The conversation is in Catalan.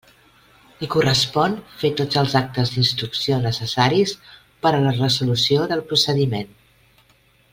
Li correspon fer tots els actes d'instrucció necessaris per a la resolució del procediment.